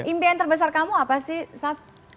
impian terbesar kamu apa sih saf